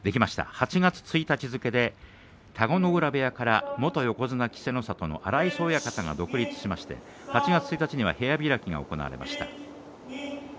８月１日付けで田子ノ浦部屋から元横綱稀勢の里の荒磯親方が独立しまして８月１日に部屋開きが行われました。